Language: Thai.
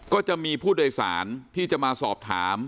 ก็จะมีผู้โดยสารที่จะมาสอบถาม